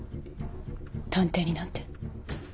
探偵になんて。